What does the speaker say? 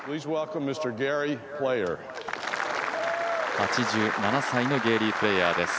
８７歳のゲーリー・プレーヤーです。